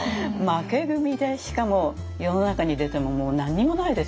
負け組でしかも世の中に出てももう何にもないですよね。